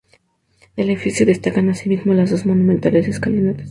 Del edificio destacan, asimismo, las dos monumentales escalinatas.